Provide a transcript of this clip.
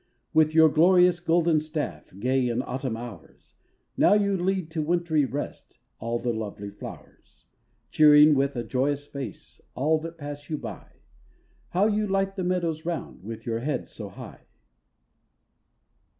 With your glorious golden staff, Gay in autumn hours, Now you lead to wintry rest, All the lovely flowers. Cheering with a joyous face, All that pass you by, How you light the meadows round, With your head so high.